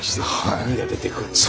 何が出てくるのか。